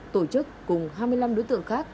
tổ chức cùng hai mươi năm đối tượng khác